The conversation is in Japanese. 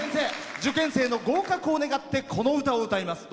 受験生の合格を願ってこの歌を歌います。